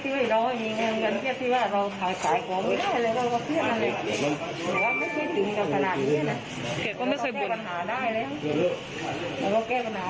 ที่ทำให้ลูกสาวเครียดเอิ้น